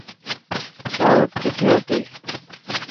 داوت ڪٿي هتي.